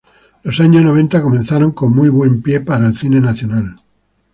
Los años noventa comienzan con muy buen pie para el cine nacional.